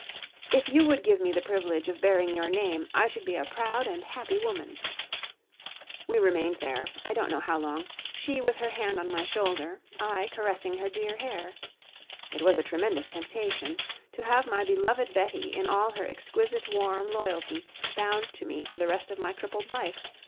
"If you would give me the privilege of bearing your name, I should be a proud and happy woman." We remained there, I don't know how long she with her hand on my shoulder, I caressing her dear hair. It was a tremendous temptation. To have my beloved Betty in all her exquisite warm loyalty bound to me for the rest of my crippled life.